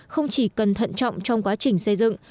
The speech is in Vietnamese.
không chỉ cần thận trọng trong quá trình xây dựng